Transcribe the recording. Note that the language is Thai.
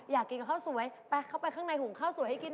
อยากกินกับข้าวสวยไปเข้าไปข้างในหุงข้าวสวยให้กิน